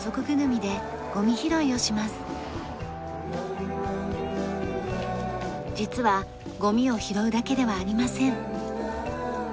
実はゴミをひろうだけではありません。